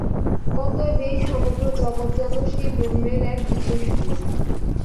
অতএব এই সমগ্র জগৎ যেন সেই ব্রহ্মের এক বিশেষ রূপ।